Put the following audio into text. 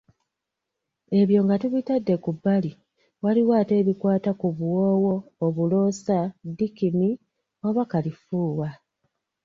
Ebyo nga tubitadde ku bbali, waliwo ate ebikwata ku buwoowo, obuloosa, ddikini oba kalifuuwa.